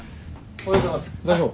おはようございます。